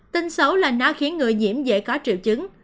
tin xấu là nó khiến người nhiễm dễ có triệu chứng